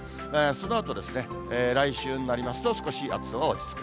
そのあとですね、来週になりますと、少し暑さは落ち着く。